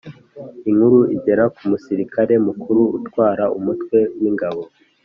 inkuru igera ku musirikare mukuru utwara umutwe w ingabo.